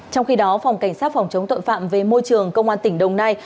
trong khi đó phòng cảnh sát phòng chống tội phạm về môi trường công an tỉnh đồng nai